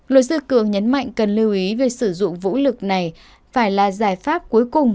luật sư cường nhấn mạnh cần lưu ý việc sử dụng vũ lực này phải là giải pháp cuối cùng